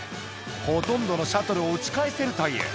ほとんどのシャトルを打ち返せるという。